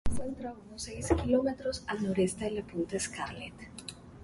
Se encuentra a unos seis kilómetros al noroeste de la punta Scarlett.